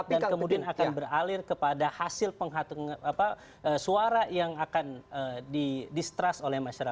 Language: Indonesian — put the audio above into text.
dan kemudian akan beralir kepada hasil suara yang akan di distrust oleh masyarakat